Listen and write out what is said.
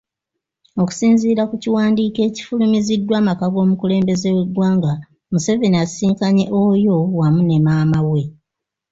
Okusinziira ku kiwandiiko ekifulumiziddwa amaka g'omukulembeze w'eggwanga, Museveni asisinkanye Oyo wamu ne maama we.